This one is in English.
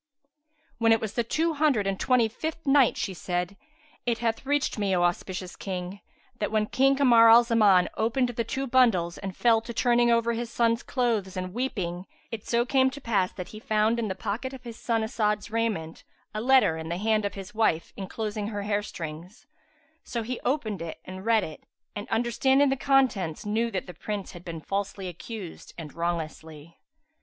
When it was the Two Hundred and Twenty fifth Night, She said, It hath reached me, O auspicious King, that when King Kamar la Zaman opened the two bundles and fell to turning over his sons' clothes and weeping, it so came to pass that he found, in the pocket of his son As'ad's raiment, a letter in the hand of his wife enclosing her hair strings; so he opened and read it and understanding the contents knew that the Prince had been falsely accused and wrongously.